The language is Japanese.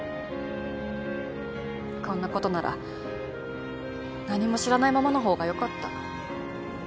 こんなことなら何も知らないままの方がよかった。